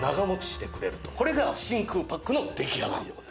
これが真空パックの出来上がりでございます。